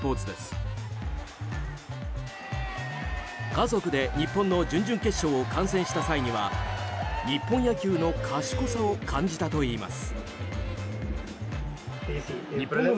家族で日本の準々決勝を観戦した際には日本野球の賢さを感じたといいます。